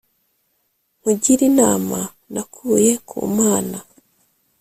Nkugire inama nakuye ku mana